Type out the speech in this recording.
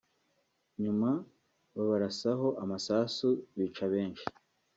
nyuma babarasaho amasasu bica benshi